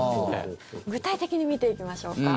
具体的に見ていきましょうか。